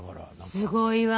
すごいわ。